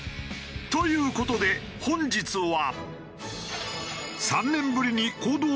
という事で本日は。